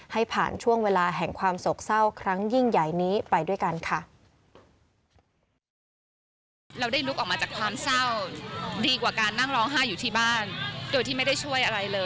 ให้ผ่านช่วงเวลาแห่งความโศกเศร้าครั้งยิ่งใหญ่นี้ไปด้วยกันค่ะ